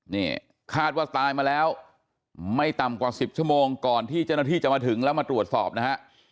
นี่คาดว่าตายมาแล้วไม่ต่ำกว่า๑๐ชั่วโมงก่อนที่เจ้าหน้าที่จะมาถึงแล้วมาตรวจสอบนะฮะ